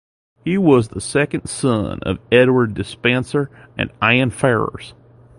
Hugh was the second son of Edward Despenser and Anne Ferrers.